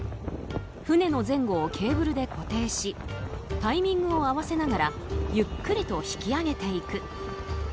船の前後をケーブルで固定しタイミングを合わせながらゆっくりと引き揚げていく。